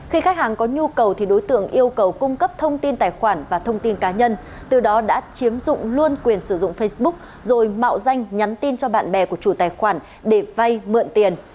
khi khách hàng có nhu cầu thì đối tượng yêu cầu cung cấp thông tin tài khoản và thông tin cá nhân từ đó đã chiếm dụng luôn quyền sử dụng facebook rồi mạo danh nhắn tin cho bạn bè của chủ tài khoản để vay mượn tiền